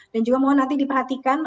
dan juga mau nanti diperhatikan